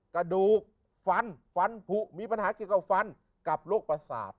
กระดูกฟันฟันผูมีปัญหาเกี่ยวกับฟันกับโรคประสาท